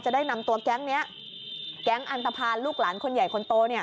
ได้นำตัวแก๊งนี้แก๊งอันตภัณฑ์ลูกหลานคนใหญ่คนโตเนี่ย